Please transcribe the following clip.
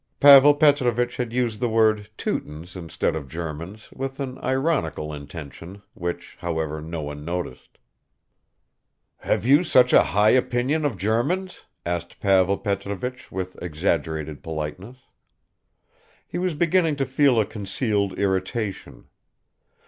Pavel Petrovich had used the word "Teutons" instead of "Germans" with an ironical intention, which, however, no one noticed. "Have you such a high opinion of Germans?" asked Pavel Petrovich with exaggerated politeness. He was beginning to feel a concealed irritation.